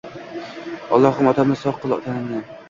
Olloxim otamni sog qil tanini